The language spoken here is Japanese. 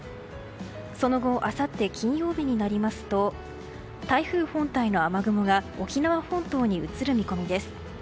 その後あさって金曜日になりますと台風本体の雨雲が沖縄本島に移る見込みです。